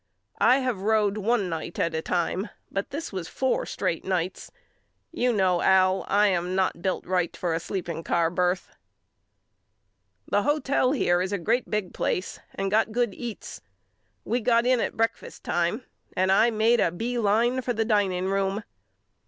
I have road one night at a time but this was four straight nights. You know Al I am not built right for a sleeping car birth. The hotel here is a great big place and got good eats. We got in at breakfast time and I made a B line for the dining room.